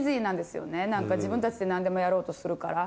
自分たちで何でもやろうとするから。